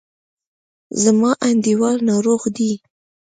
زما انډیوال ناروغ دی.